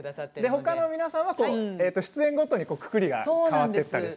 ほかの皆さんは出演ごとにくくりが変わっていくんですね。